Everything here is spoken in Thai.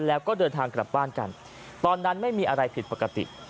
แล้วก็เดินทางกลับบ้านกันตอนนั้นไม่มีอะไรผิดปกติ